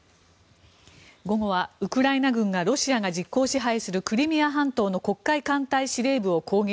午後はウクライナ軍がロシアが実効支配するクリミア半島の黒海艦隊司令部を攻撃。